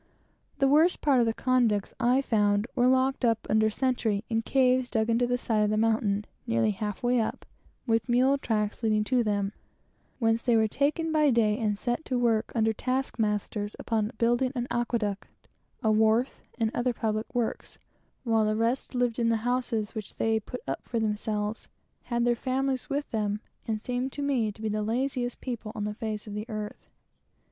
The worst part of the convicts, I found, were locked up under sentry in caves dug into the side of the mountain, nearly halfway up, with mule tracks leading to them, whence they were taken by day and set to work under task masters upon building an aqueduct, a wharf, and other public works; while the rest lived in the houses which they put up for themselves, had their families with them, and seemed to me to be the laziest people on the face of the earth.